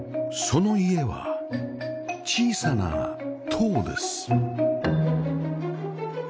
その家は小さな塔です